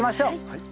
はい。